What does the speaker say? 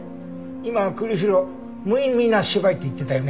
今栗城「無意味な芝居」って言ってたよね？